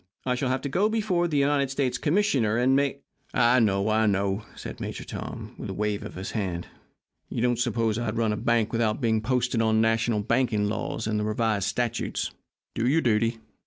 I shall have to go before the United States Commissioner and make " "I know, I know," said Major Tom, with a wave of his hand. "You don't suppose I'd run a bank without being posted on national banking laws and the revised statutes! Do your duty.